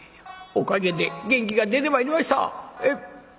おかげで元気が出てまいりました。